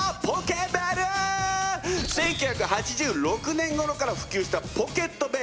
１９８６年ごろから普及したポケットベル。